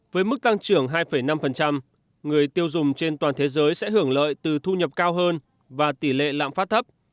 với mức tăng trưởng hai năm người tiêu dùng trên toàn thế giới sẽ hưởng lợi từ thu nhập cao hơn và tỷ lệ lạm phát thấp